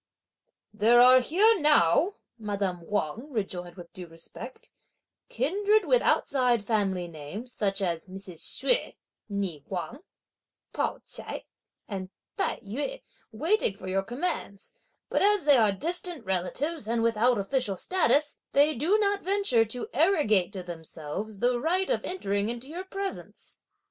"There are here now," madame Wang rejoined with due respect, "kindred with outside family names, such as Mrs. Hsüeh, née Wang, Pao ch'ai, and Tai yü waiting for your commands; but as they are distant relatives, and without official status, they do not venture to arrogate to themselves the right of entering into your presence."